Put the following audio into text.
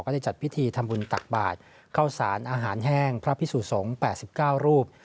ได้จัดพิธีทำบุญตักบาทเข้าสารอาหารแห้งพระพิสุสงฆ์๘๙รูป